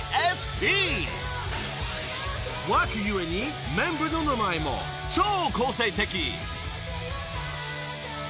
故にメンバーの名前も超個性的］